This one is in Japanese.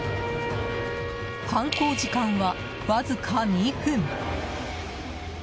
犯行時間は、わずか２分。